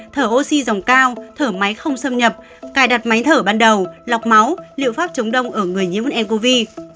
thở oxy dòng cao thở máy không xâm nhập cài đặt máy thở ban đầu lọc máu liệu pháp chống đông ở người nhiễm ncov